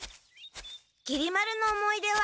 きり丸の思い出は？